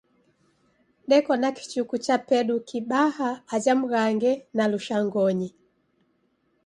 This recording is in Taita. Deko na kichuku chapedu kibaha aja Mghange na Lushangonyi.